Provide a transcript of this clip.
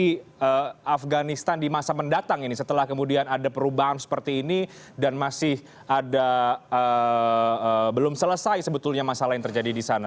di afganistan di masa mendatang ini setelah kemudian ada perubahan seperti ini dan masih ada belum selesai sebetulnya masalah yang terjadi di sana